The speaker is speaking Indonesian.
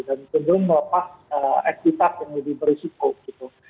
dan cenderung melepas ekspitas yang jadi berisiko gitu